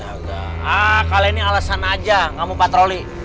ah kali ini alasan aja kamu patroli